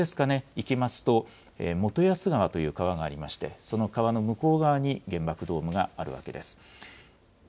いきますと、元安川という川がありまして、その川の向こう側に原爆ドームがあるわけです。